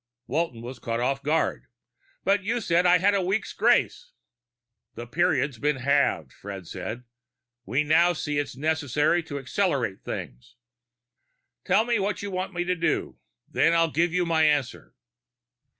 Walton was caught off guard. "But you said I had a week's grace!" "The period has been halved," Fred said. "We now see it's necessary to accelerate things." "Tell me what you want me to do. Then I'll give you my answer."